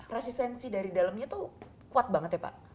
resistensi dari dalamnya tuh kuat banget ya pak